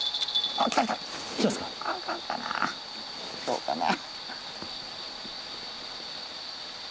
どうかな。